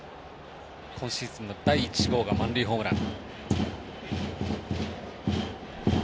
今シーズンの第１号が満塁ホームラン。